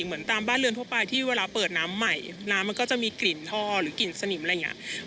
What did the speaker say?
เหมือนตามบ้านเรือนทั่วไปที่เวลาเปิดน้ำใหม่น้ำมันก็จะมีกลิ่นท่อหรือกลิ่นสนิมอะไรอย่างนี้